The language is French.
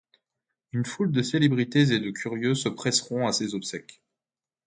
Une foule de célébrités et curieux se presseront à ses obsèques.